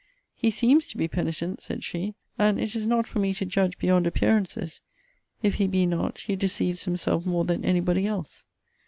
He seems to be penitent, said she; and it is not for me to judge beyond appearances. If he be not, he deceives himself more than any body else.